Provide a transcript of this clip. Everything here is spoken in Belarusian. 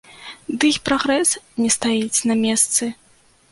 Дый прагрэс не стаіць на месцы.